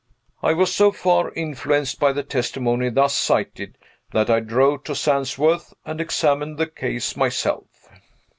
I was so far influenced by the testimony thus cited, that I drove to Sandsworth and examined the case myself."